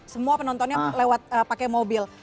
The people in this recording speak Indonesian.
semua penontonnya lewat pakai mobil